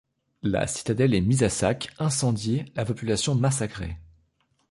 La citadelle est mise à sac, incendiée, la population massacrée.